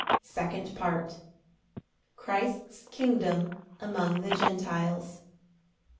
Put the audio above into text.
Second Part. Christ's kingdom among the Gentiles.